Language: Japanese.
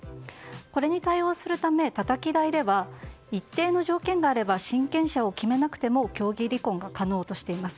これに対応するためたたき台では一定の条件があれば親権者を決めなくても協議離婚が可能としています。